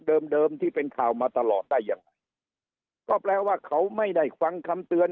เดิมเดิมที่เป็นข่าวมาตลอดได้ยังไงก็แปลว่าเขาไม่ได้ฟังคำเตือน